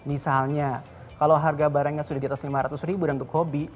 misalnya kalau harga barangnya sudah di atas lima ratus ribu dan untuk hobi